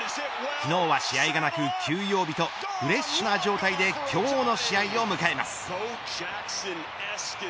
昨日は試合がなく、休養日とフレッシュな状態で今日の試合を迎えます。